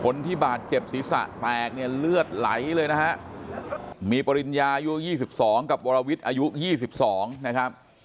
คนที่บาดเจ็บศีรษะแตกเนี่ยเลือดไหลเลยนะฮะมีปริญญาอายุ๒๒กับวรวิทย์อายุ๒๒นะครับ